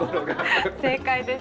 正解です。